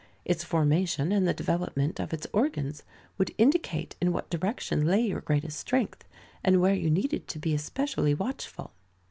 Its formation and the development of its organs would indicate in what direction lay your greatest strength, and where you needed to be especially watchful.